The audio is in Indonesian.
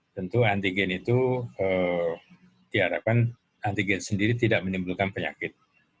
tentu antigen itu diharapkan antigen sendiri tidak menimbulkan penyakit